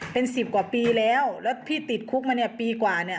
เป็น๑๐กว่าปีแล้วแล้วพี่ติดคุกมาปีกว่า